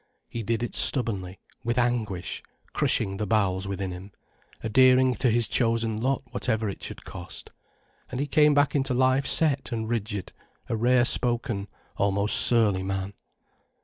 He did it stubbornly, with anguish, crushing the bowels within him, adhering to his chosen lot whatever it should cost. And he came back into life set and rigid, a rare spoken, almost surly man.